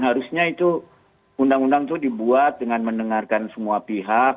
harusnya itu undang undang itu dibuat dengan mendengarkan semua pihak